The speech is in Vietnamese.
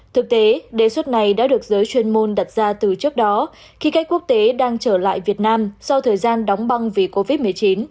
thực tế đề xuất này đã được giới chuyên môn đặt ra từ trước đó khi khách quốc tế đang trở lại việt nam sau thời gian đóng băng vì covid một mươi chín